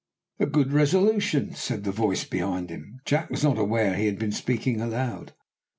"A good resolution," said a voice behind him. Jack was not aware he had been speaking aloud.